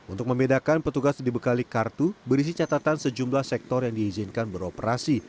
untuk membedakan petugas dibekali kartu berisi catatan sejumlah sektor yang diizinkan beroperasi